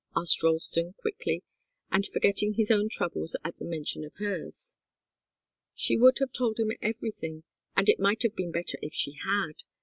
asked Ralston, quickly, and forgetting his own troubles at the mention of hers. She would have told him everything, and it might have been better if she had.